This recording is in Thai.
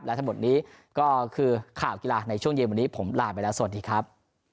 และทั้งหมดนี้ก็คือข่าวกีฬาในช่วงเย็นวันนี้ผมลาไปแล้วสวัสดีครับ